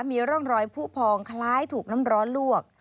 มีร่องรอยผู้พองคล้ายถูกน้ำร้อนลวก